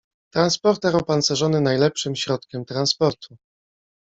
Transporter opancerzony najlepszym środkiem transportu.